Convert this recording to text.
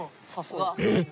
えっ？